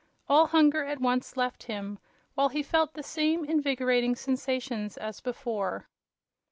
All hunger at once left him, while he felt the same invigorating sensations as before.